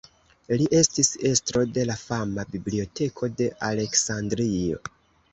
Li estis estro de la fama Biblioteko de Aleksandrio.